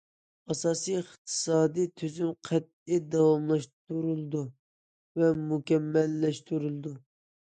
ئاساسىي ئىقتىسادىي تۈزۈم قەتئىي داۋاملاشتۇرۇلىدۇ ۋە مۇكەممەللەشتۈرۈلىدۇ.